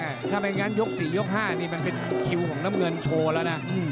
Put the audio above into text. ถ้าไม่งั้นยก๔ยก๕นี่มันเป็นคิวของน้ำเงินโชว์แล้วนะ